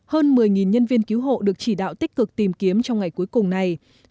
hơn một mươi nhân viên cứu hộ được chỉ đạo tích cực tìm kiếm trong ngày cuối cùng này